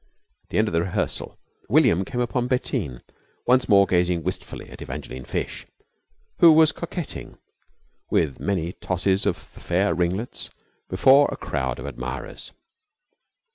At the end of the rehearsal William came upon Bettine, once more gazing wistfully at Evangeline Fish, who was coquetting (with many tosses of the fair ringlets) before a crowd of admirers.